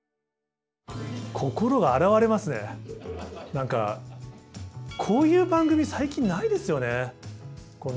何かこういう番組最近ないですよね。